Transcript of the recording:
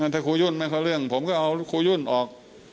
ถ้าครูยุ่นไม่เข้าเรื่องผมก็เอาครูยุ่นออก